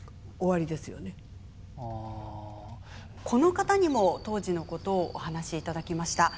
この方にも当時のことをお話し頂きました。